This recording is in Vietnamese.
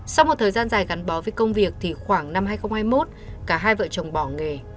sau một thời gian dài gắn bó với công việc thì khoảng năm hai nghìn hai mươi một cả hai vợ chồng bỏ nghề